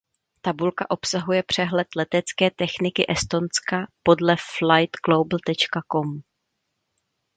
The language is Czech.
Tabulka obsahuje přehled letecké techniky Estonska podle Flightglobal.com.